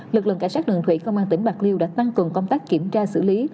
lực lượng cảnh sát đường thủy công an tỉnh bạc liêu đã tăng cường công tác kiểm tra xử lý